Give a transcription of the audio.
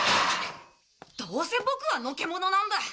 どうせボクはのけ者なんだ。